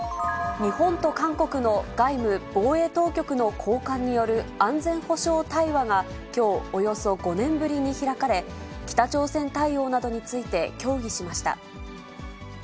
日本と韓国の外務・防衛当局の高官による安全保障対話がきょう、およそ５年ぶりに開かれ、北朝鮮対応などについて協議しました。